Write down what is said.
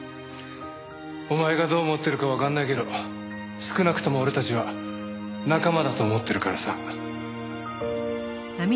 お前がどう思ってるかわかんないけど少なくとも俺たちは仲間だと思ってるからさ。